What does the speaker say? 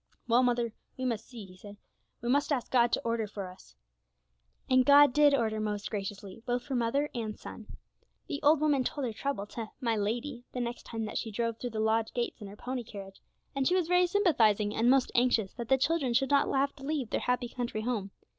'Well, mother, we must see,' he said; 'we must ask God to order for us.' And God did order most graciously, both for mother and son. The old woman told her trouble to 'my lady,' the next time that she drove through the lodge gates in her pony carriage, and she was very sympathising, and most anxious that the children should not have to leave their happy country home.